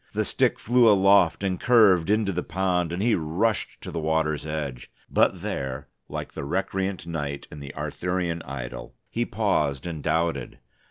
The stick flew aloft and curved into the pond, and he rushed to the water's edge. But there, like the recreant knight in the Arthurian idyl, he paused and doubted.